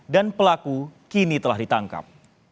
dan pelaku kini telah ditangkap